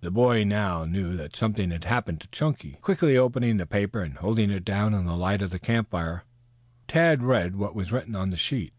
The boy now knew that something had happened to Chunky. Quickly opening the paper and holding it down in the light of the campfire, Tad read what was written on the sheet.